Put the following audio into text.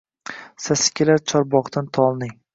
Sasi kelar chorbog‘dan tolning: